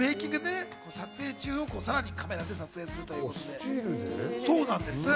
撮影中をさらにカメラで撮影するというものです。